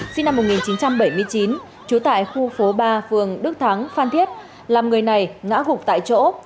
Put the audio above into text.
sinh năm một nghìn chín trăm bảy mươi chín trú tại khu phố ba phường đức thắng phan thiết làm người này ngã gục tại chỗ